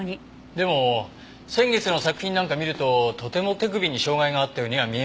でも先月の作品なんか見るととても手首に障害があったようには見えませんよね。